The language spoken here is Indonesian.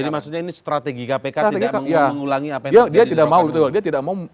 jadi maksudnya ini strategi kpk tidak mengulangi apa yang terjadi di rokan hulu